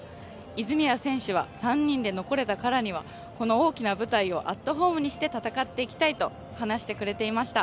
泉谷選手は３人で残れたからにはこの大きな舞台をアットホームにして戦っていきたいと話していました。